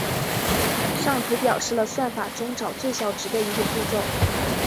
上图表示了算法中找最小值的一个步骤。